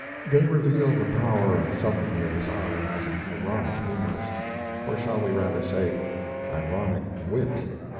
They reveal the power and subtlety of his art as an ironic humorist or shall we rather say, ironic wit?